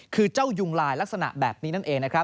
คือเจ้ายุงลายลักษณะแบบนี้นั่นเองนะครับ